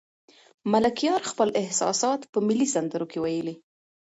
ملکیار خپل احساسات په ملي سندرو کې ویلي.